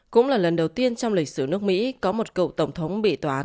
cũng là lần đầu tiên trong lịch sử nước mỹ có một cựu tổng thống bị tòa án